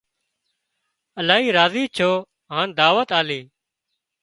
الاهي راضي ڇو هان دعوت آلي